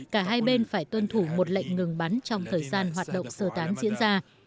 cả hai bên phải tuân thủ một lệnh ngừng bắn trong thời gian hoạt động sơ tán diễn ra